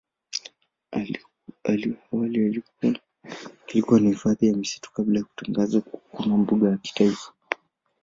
Awali ilikuwa ni hifadhi ya misitu kabla ya kutangazwa kama mbuga ya kitaifa.